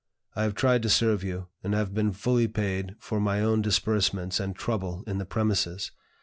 I have tried to serve you, and have been fully paid for my own disbursements and trouble in the premises.